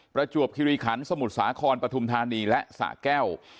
ประจวบคิริขันสมุทรสาครปฐุมธานีและสะแก้ว